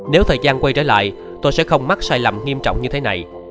nếu thời gian quay trở lại tôi sẽ không mắc sai lầm nghiêm trọng như thế này